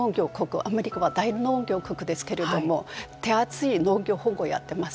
アメリカは大農業国ですけれども手厚い農業保護をやっています。